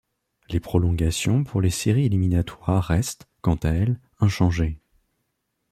Les prolongations pour les séries éliminatoires restent, quant à elles, inchangées.